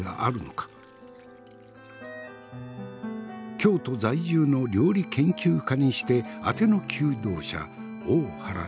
京都在住の料理研究家にしてあての求道者大原千鶴。